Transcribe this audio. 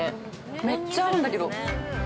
◆めっちゃ合うんだけど。